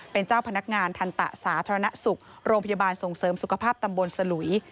เป็นเจ้าพนักงานทันตะสาธารณสุขโรงพยาบาลส่งเสริมสุขภาพตำบลสลุย